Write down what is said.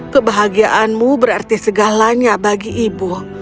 kebahagiaanmu berarti segalanya bagi ibu